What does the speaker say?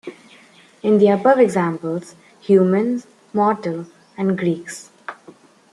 In the above example, "humans", "mortal", and "Greeks".